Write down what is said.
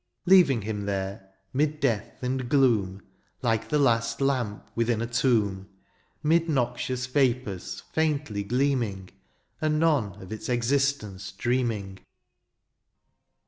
Leaving him there, 'mid death and gloom. Like the last lamp within a tomb, 'Mid noxious vapours faintly gleaming. And none of its existence dreaming.